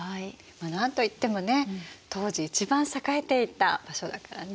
まあ何と言ってもね当時一番栄えていた場所だからね。